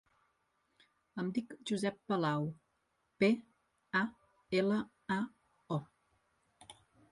Em dic Josep Palao: pe, a, ela, a, o.